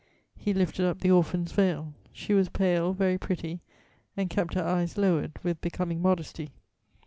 He lifted up the orphan's veil: she was pale, very pretty, and kept her eyes lowered with becoming modesty.